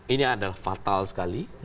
ini adalah fatal sekali